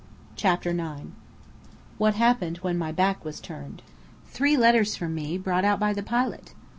CHAPTER IX WHAT HAPPENED WHEN MY BACK WAS TURNED Three letters for me, brought out by the pilot!